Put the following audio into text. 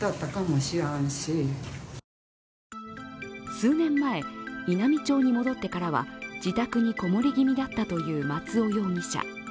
数年前、稲美町に戻ってからは自宅にこもり気味だったという松尾容疑者。